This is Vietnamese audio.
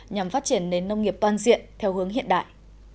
nhằm phát triển nền nông nghiệp toàn diện theo hướng hiện đại